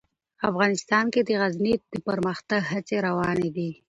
افغانستان کې د غزني د پرمختګ هڅې روانې دي.